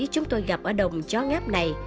chúng tôi gặp ở đồng chó ngáp này